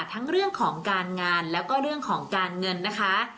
ทั้งเรื่องของการงานแล้วก็เรื่องของการเงินนะคะ